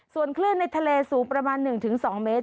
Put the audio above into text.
ส่วนคลื่นในทะเลสูงประมาณ๑๒เมตร